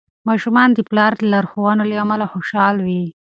ماشومان د پلار لارښوونو له امله خوشحال وي.